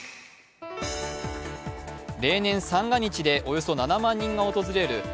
例年、三が日でおよそ７万人が訪れる